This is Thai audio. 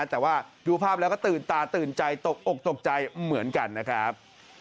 แต่ว่าดูภาพแล้วก็ตื่นตาตื่นใจตกอกตกใจเหมือนกันนะครับ